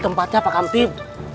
tempatnya pak kamtib